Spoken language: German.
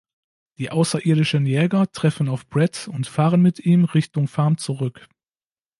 Die außerirdischen Jäger treffen auf Brad und fahren mit ihm Richtung Farm zurück.